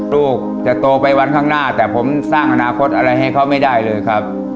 ลูกจะโตไปวันข้างหน้าแต่ผมสร้างอนาคตอะไรให้เขาไม่ได้เลยครับ